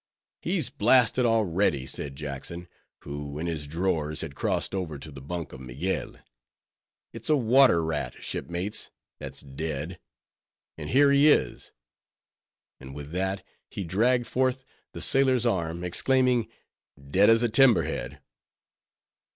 "He's blasted already," said Jackson, who in his drawers had crossed over to the bunk of Miguel. "It's a water rat, shipmates, that's dead; and here he is"—and with that, he dragged forth the sailor's arm, exclaiming, "Dead as a timber head!"